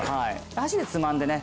箸でつまんでね